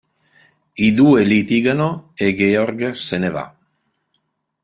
I due litigano e Georg se ne va.